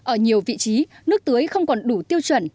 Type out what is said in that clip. ở nhiều vị trí nước tưới không còn đủ tiêu chuẩn